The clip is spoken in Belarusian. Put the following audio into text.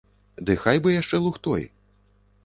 Ды хай бы яшчэ лухтой.